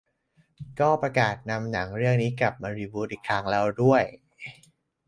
ก็ประกาศนำหนังเรื่องนี้กลับมารีบูตอีกครั้งแล้วด้วย